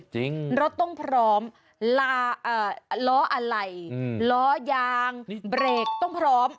รถต้องพร้อมลาล้ออะไรล้อยางเบรกต้องพร้อม